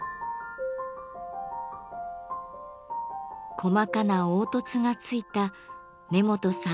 細かな凹凸がついた根本さん